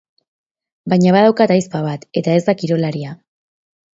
Baina badaukat ahizpa bat eta ez da kirolaria.